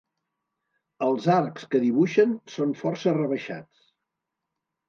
Els arcs que dibuixen són força rebaixats.